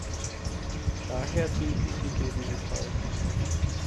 Daher sind sie ggf.